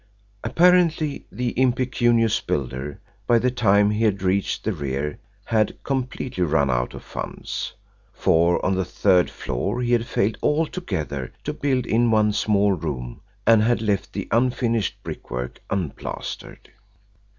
Apparently the impecunious builder, by the time he had reached the rear, had completely run out of funds, for on the third floor he had failed altogether to build in one small room, and had left the unfinished brickwork unplastered.